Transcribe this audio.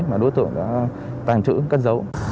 mà đối tượng đã tàn trữ cất giấu